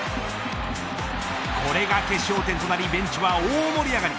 これが決勝点となりベンチは大盛り上がり。